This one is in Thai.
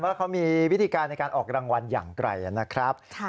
ว่าเขามีวิธีการในการออกรางวัลอย่างไกลนะครับ